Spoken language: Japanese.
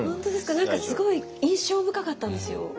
何かすごい印象深かったんですよ。